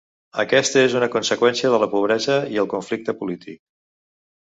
Aquesta és una conseqüència de la pobresa i el conflicte polític.